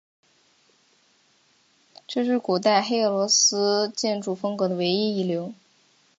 这是古代黑俄罗斯建筑风格的唯一遗留。